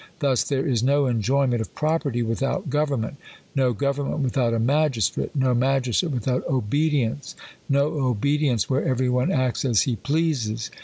Thus, *' There is no enjoyment of property without government ; no gov ernment without a magistrate ; no magistrate without obedience ; no obedience where every one acts as he pleases."